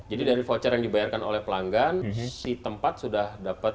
jadi dari voucher yang dibayarkan oleh pelanggan si tempat sudah dapet